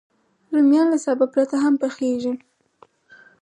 رومیان له سابه پرته هم پخېږي